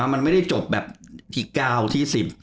มันไม่ได้จบแบบที่๙ที่๑๐